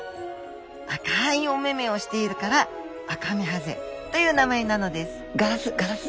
赤いお目々をしているからアカメハゼという名前なのですガラス